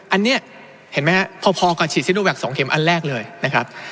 อันนี้เห็นไหมครับพอกับฉีดซิโนแวค๒เข็มอันแรกเลยนะครับ